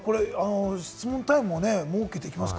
質問タイムも設けていきますか？